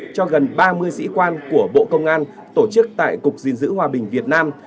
cho gần ba mươi sĩ quan của bộ công an tổ chức tại cục gìn giữ hòa bình việt nam